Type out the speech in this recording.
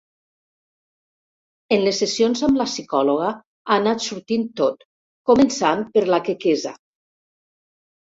En les sessions amb la psicòloga ha anat sortint tot, començant per la quequesa.